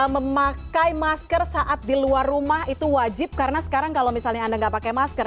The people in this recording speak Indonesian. memakai masker saat di luar rumah itu wajib karena sekarang kalau misalnya anda nggak pakai masker